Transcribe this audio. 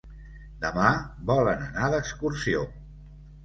Demà volen anar d'excursió.